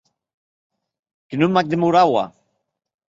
Que non m’ac demoraua!